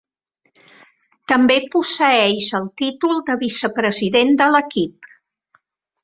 També posseeix el títol de vicepresident de l'equip.